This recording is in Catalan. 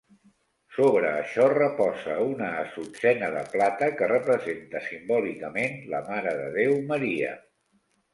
Sobre això reposa una assutzena de plata que representa simbòlicament la Mare de Déu Maria.